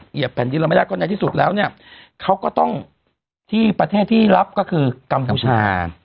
แผ่นดินเราไม่ได้ก็ในที่สุดแล้วเนี่ยเขาก็ต้องที่ประเทศที่รับก็คือกัมพูชา